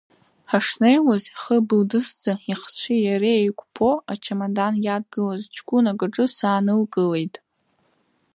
Ҳашнеиуаз, ихы былдызӡа, ихцәи иареи еиқәԥо ачамадан иадгылаз ҷкәынак иҿы саанылкылеит.